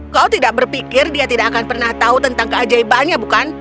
kau tidak berpikir dia tidak akan pernah tahu tentang keajaibannya bukan